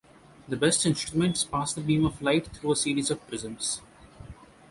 The best instruments pass the beam of light through a series of prisms.